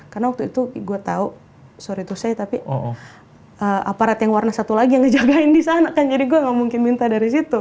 karena waktu itu gue tau sorry to say tapi aparat yang warna satu lagi yang ngejagain disana kan jadi gue gak mungkin minta dari situ gitu loh